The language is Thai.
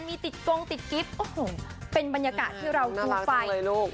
มีติดกรงติดกิฟต์โอ้โหเป็นบรรยากาศที่เราดูไปน่ารักจังเลยลูก